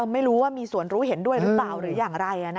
ไม่รู้ว่ามีส่วนรู้เห็นด้วยหรือเปล่าหรืออย่างไร